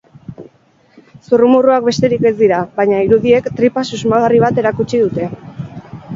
Zurrumurruak besterik ez dira, baina irudiek tripa susmagarri bat erakutsi dute.